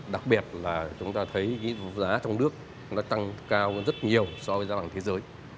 đặc biệt là chúng ta thấy giá trong nước nó tăng cao rất nhiều so với giá vàng thế giới